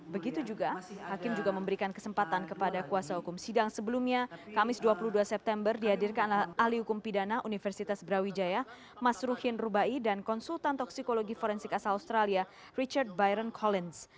begitu juga hakim juga memberikan kesempatan kepada kuasa hukum sidang sebelumnya kamis dua puluh dua september dihadirkan ahli hukum pidana universitas brawijaya mas ruhin rubai dan konsultan toksikologi forensik asal australia richard biron colins